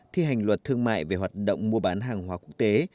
thi hành luật thương mại về hoạt động mua bán hàng hóa quốc tế